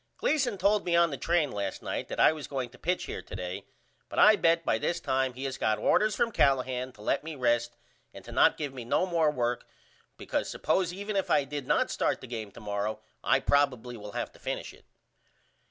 Gleason told me on the train last night that I was going to pitch here to day but I bet by this time he has got orders from Callahan to let me rest and to not give me no more work because suppose even if I did not start the game to morrow I probily will have to finish it.